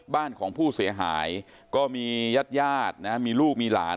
บ้านของผู้เสียหายก็มีญาติญาตินะมีลูกมีหลาน